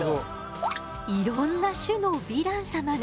いろんな種のヴィラン様が。